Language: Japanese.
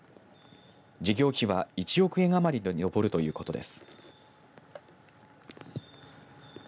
事業費は１億円余りに上るということです。